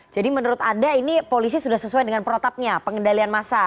jadi menurut anda ini polisi sudah sesuai dengan protapnya pengendalian masa